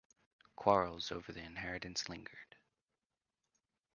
Quarrels over the inheritance lingered.